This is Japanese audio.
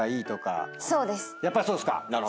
やっぱりそうですか。